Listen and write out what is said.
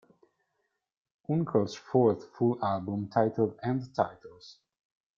Unkle's fourth full album titled End Titles...